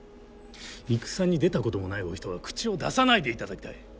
戦に出たこともないお人が口を出さないでいただきたい。